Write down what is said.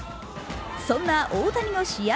そんな大谷の試合